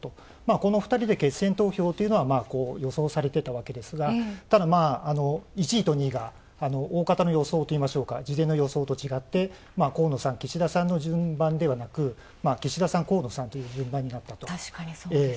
この２人で決選投票というのは予想されてたわけですがただ、１位と２位が大方の予想といいましょうか事前の要素と違って、河野さん、岸田さんの順番ではなく岸田さん、河野さんという順番になったと。